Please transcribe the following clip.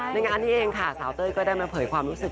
ในงานนี้เองค่ะสาวเต้ยก็ได้มาเผยความรู้สึก